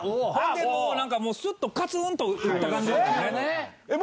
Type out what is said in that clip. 何かもうスッとカツンと打った感じやった。